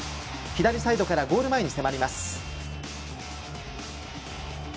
左サイドからゴール前に迫ります。